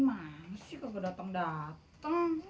mana sih gede dateng dateng